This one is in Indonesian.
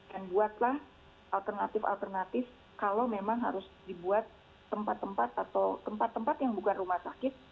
dan buatlah alternatif alternatif kalau memang harus dibuat tempat tempat atau tempat tempat yang bukan rumah sakit